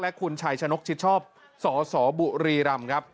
คุณชัยชนกชิดชอบสสบุรีรำครับ